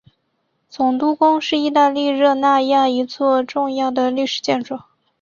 总督宫是意大利热那亚一座重要的历史建筑。